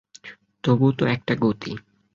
তবুও তো একটা গতি।